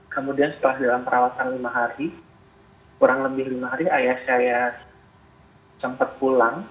kemudian setelah dalam perawatan lima hari kurang lebih lima hari ayah saya sempat pulang